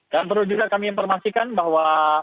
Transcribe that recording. dan perlu juga kami informasikan bahwa